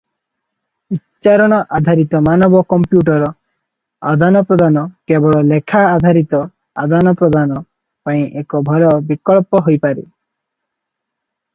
ଉଚ୍ଚାରଣ ଆଧାରିତ ମାନବ-କମ୍ପ୍ୟୁଟର ଆଦାନପ୍ରଦାନ କେବଳ ଲେଖା-ଆଧାରିତ ଆଦାନପ୍ରଦାନ ପାଇଁ ଏକ ଭଲ ବିକଳ୍ପ ହୋଇପାରେ ।